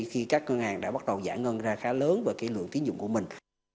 khi các ngân hàng đã bắt đầu giảm ngân ra khá lớn bởi cái lượng tín dụng của mình